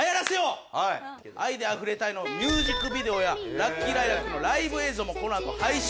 『愛で溢れたい』のミュージックビデオや『ラッキーライラック』のライブ映像もこのあと配信。